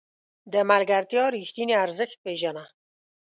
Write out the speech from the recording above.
د ملګرتیا رښتیني ارزښت پېژنه.